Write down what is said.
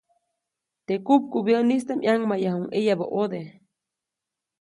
Teʼ kupkubyäʼnistaʼm ʼyaŋmayjayuʼuŋ ʼeyabä ʼode.